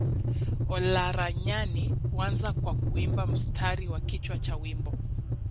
Olaranyani huanza kwa kuimba mstari wa kichwa cha wimbo